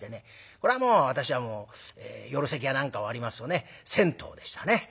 これはもう私はもう夜席や何か終わりますとね銭湯でしたね。